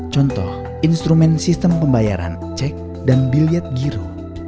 contoh instrumen sistem pembayaran cek dan biliet giro